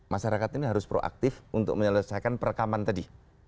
masyarakat ini harus proaktif untuk menyelesaikan perekaman tadi